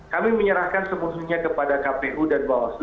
kami menyerahkan semusuhnya kepada kpu dan bawaslu